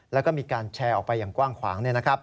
แล้วก็มีการแชร์ออกไปอย่างกว้างขวาง